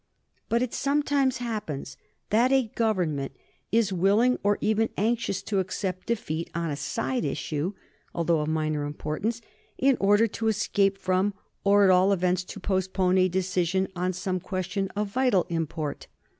But it sometimes happens that a Government is willing, or even anxious, to accept defeat on a side issue, although of minor importance, in order to escape from, or at all events to postpone, a decision on some question of vital import.